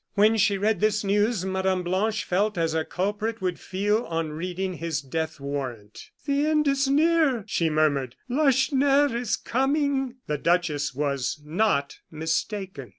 When she read this news, Mme. Blanche felt as a culprit would feel on reading his death warrant. "The end is near," she murmured. "Lacheneur is coming!" The duchess was not mistaken.